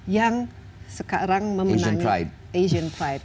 yang sekarang memenangi asian fight